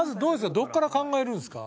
どこから考えるんですか？